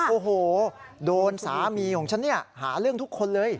โอ้โหโดนสามีของฉันเนี่ยหาเรื่องทุกคนเลย